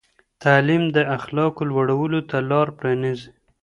تعلیم د اخلاقو لوړولو ته لار پرانیزي.